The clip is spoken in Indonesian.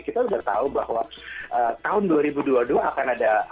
kita sudah tahu bahwa tahun dua ribu dua puluh dua akan ada